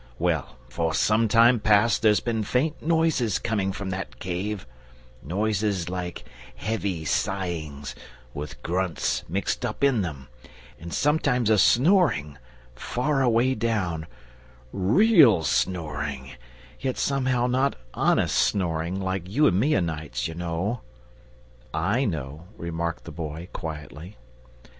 Well, for some time past there's been faint noises coming from that cave noises like heavy sighings, with grunts mixed up in them; and sometimes a snoring, far away down REAL snoring, yet somehow not HONEST snoring, like you and me o'nights, you know!" "I know," remarked the Boy, quietly.